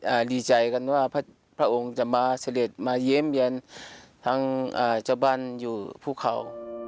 อ่ารีใจกันว่าพระพระองค์จะมาเสร็จมาเย็มเย็นทั้งอ่าเจ้าบ้านอยู่ภูเขา